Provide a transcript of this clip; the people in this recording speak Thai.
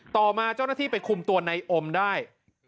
ต่อมาเจ้าหน้าที่ไปคุมตัวในอมได้